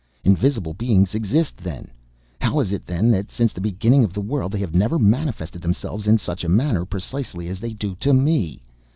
Invisible beings exist, then! How is it then that since the beginning of the world they have never manifested themselves in such a manner precisely as they do to me?